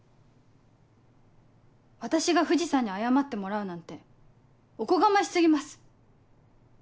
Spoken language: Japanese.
私が藤さんに謝ってもらうなんておこがまし過ぎます。